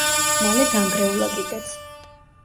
მალე დანგრეულა კიდეც.